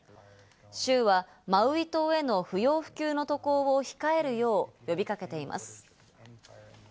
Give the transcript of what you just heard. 州はマウイ島への不要不急の渡航を控えるよう呼び掛けています。